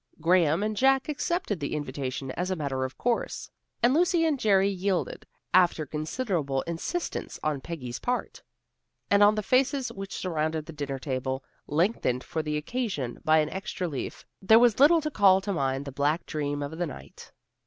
Graham and Jack accepted the invitation as a matter of course, and Lucy and Jerry yielded, after considerable insistence on Peggy's part. And on the faces which surrounded the dinner table, lengthened for the occasion by an extra leaf, there was little to call to mind the black dream of the night.